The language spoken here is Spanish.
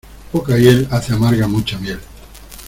Poca hiel hace amarga mucha miel.